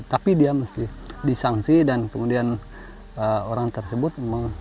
tapi dia mesti disangsi dan kemudian orang tersebut